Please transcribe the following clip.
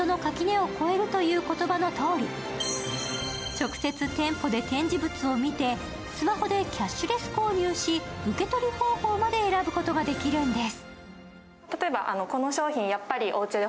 直接店舗で展示物を見てスマホでキャッシュレス購入し受け取り方法まで選ぶことができるんです。